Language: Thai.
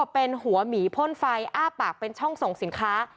เป็นหัวหมีพ่นไฟอ้าปากเป็นช่องส่งสินค้า